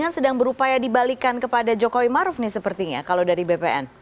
sedang berupaya dibalikan kepada jokowi maruf nih sepertinya kalau dari bpn